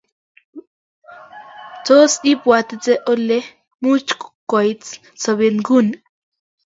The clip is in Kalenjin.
Tos ibwatite ole much kouit sopet nguni